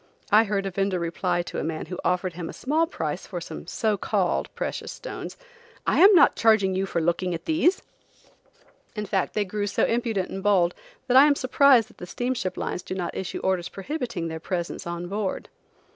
I heard a vender reply to a man who offered him a small price for some so called precious stones: "I am not charging you for looking at these." In fact they grew so impudent and bold, that I am surprised that the steamship lines do not issue orders prohibiting their presence on board.